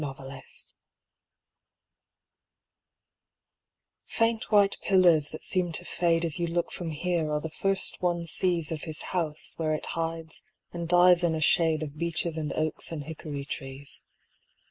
Fragment Faint white pillars that seem to fade As you look from here are the first one sees Of his house where it hides and dies in a shade Of beeches and oaks and hickory trees.